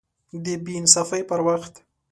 د بې انصافۍ پر وخت